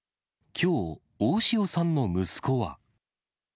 きょう、大塩さんの息子は。